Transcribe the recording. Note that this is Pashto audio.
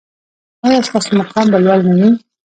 ایا ستاسو مقام به لوړ نه وي؟